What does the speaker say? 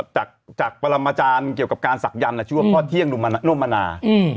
จากปรมาจารย์เกี่ยวกับการศักยันต์ชื่อว่าพ่อเที่ยงร่วมมนา